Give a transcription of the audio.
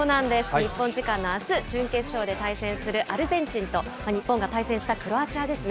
日本時間のあす、準決勝で対戦するアルゼンチンと、日本が対戦したクロアチアですね。